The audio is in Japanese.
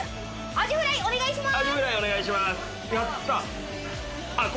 アジフライお願いします。